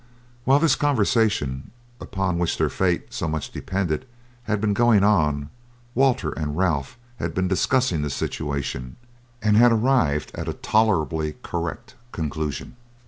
While this conversation, upon which their fate so much depended, had been going on, Walter and Ralph had been discussing the situation, and had arrived at a tolerably correct conclusion.